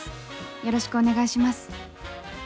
よろしくお願いします。